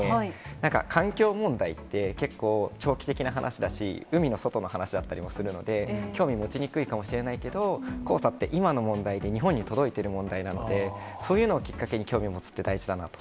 なんか、環境問題って、結構、長期的な話だし、海の外の話だったりもするので、興味持ちにくいかもしれないけど、黄砂って今の問題で、日本に届いている問題なので、そういうのをきっかけに興味を持つって大事だなと。